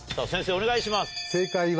お願いします。